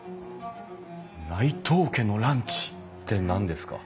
「内藤家のランチ」って何ですか？